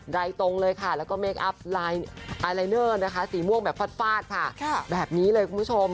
ตรงเลยค่ะแล้วก็เมคอัพลายลายเนอร์นะคะสีม่วงแบบฟาดค่ะแบบนี้เลยคุณผู้ชม